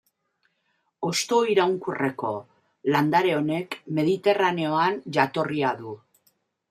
Hostoiraunkorreko landare honek Mediterraneoan jatorria du.